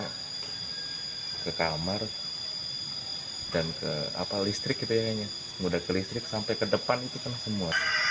hai ke kamar dan ke apa listrik kita ingin mudah ke listrik sampai ke depan itu semua